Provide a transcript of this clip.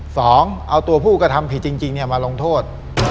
สองเอาตัวผู้กระทำผิดจริงมาลงโทษ